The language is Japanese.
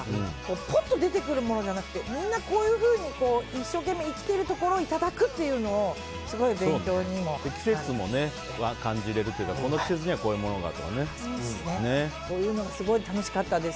ぽんと出てくるものじゃなくてみんなこういうふうに一生懸命生きてるところをいただくというのが季節も感じられるというかこの季節にはこういうものがとかね。そういうのがすごい楽しかったです。